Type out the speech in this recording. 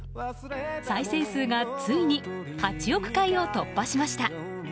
再生数がついに８億回を突破しました。